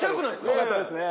よかったですね